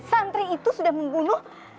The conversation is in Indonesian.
santri itu sudah membunuh